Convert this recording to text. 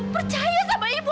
percaya sama ibu